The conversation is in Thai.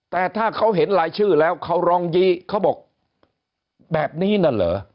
แต่ถ้าเขาเห็นรายชื่อแล้วเขาร้องยี้เขาบอกแบบนี้นั่นเหรอ